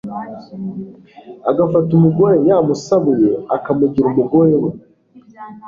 agafata umugore yamusabuye, akamugira umugore we